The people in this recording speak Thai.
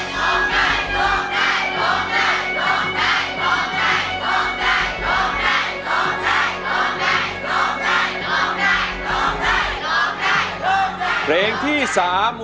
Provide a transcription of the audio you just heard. โทษให้โทษให้โทษให้โทษให้